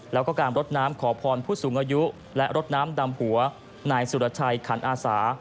แล้วก็การรดน้ำขอพรผู้สูงอายุและรดน้ำดำหัวนายสุรชัยขันอาสา